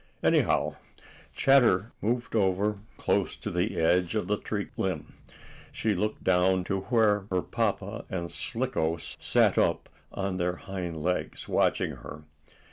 Anyhow, Chatter moved over close to the edge of the tree limb. She looked down to where her papa and Slicko sat up on their hind legs, watching her.